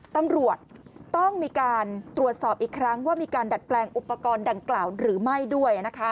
ตำรวจต้องมีการตรวจสอบอีกครั้งว่ามีการดัดแปลงอุปกรณ์ดังกล่าวหรือไม่ด้วยนะคะ